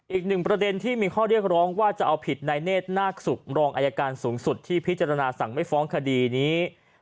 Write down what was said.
อีกหนึ่งประเด็นที่มีข้อเรียกร้องว่าจะเอาผิดนายเนธนาคศุกร์รองอายการสูงสุดที่พิจารณาสั่งไม่ฟ้องคดีนี้